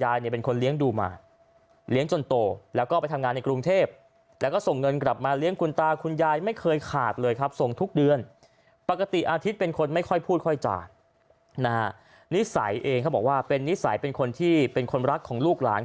ค่อยพูดค่อยจานิสัยเองเขาบอกว่าเป็นนิสัยเป็นคนที่เป็นคนรักของลูกหลาน